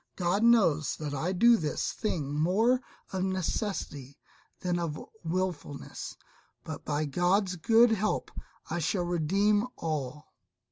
God knows that I do this thing more of necessity than of wilfulness; but by God's good help I shall redeem all."